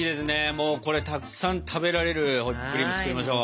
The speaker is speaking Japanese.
もうこれたくさん食べられるホイップクリーム作りましょう。